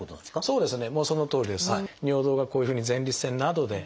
そうですね。